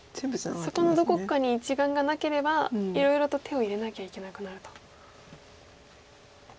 そこのどこかに１眼がなければいろいろと手を入れなきゃいけなくなると。